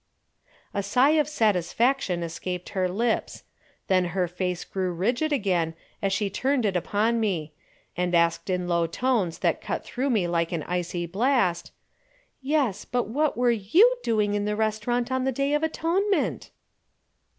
A sigh of satisfaction escaped her lips. Then her face grew rigid again as she turned it upon me, and asked in low tones that cut through me like an icy blast: "Yes, but what were you doing in the restaurant on the Day of Atonement?"